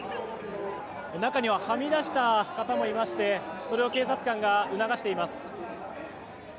中にははみ出した方もいましてそれを警察官が促しています。